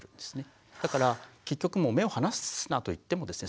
だから結局目を離すなといってもですね